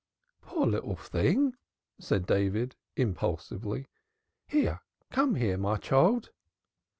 "Poor little thing!" said David impulsively. "Here, come here, my child."'